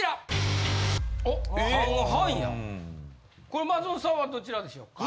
これ松本さんはどちらでしょうか？